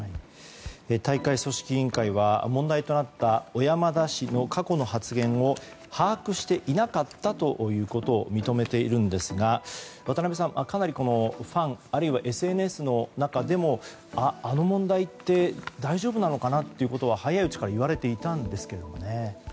大会組織委員会は問題となった小山田氏の過去の発言を把握していなかったということを認めているんですが渡辺さん、かなりこのファンＳＮＳの中でもあの問題って大丈夫なのかな？っていうことは早いうちからいわれていたんですけどもね。